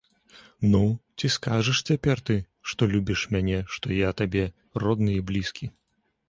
Ну, ці скажаш цяпер ты, што любіш мяне, што я табе родны і блізкі?